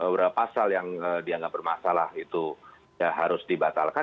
berapa pasal yang dianggap bermasalah itu harus dibatalkan